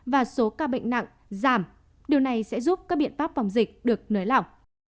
và số ca bệnh nặng giảm điều này sẽ giúp các biện pháp phòng dịch được nới lỏng